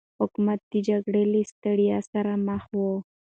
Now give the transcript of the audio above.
حکومت د جګړې له ستړيا سره مخ و.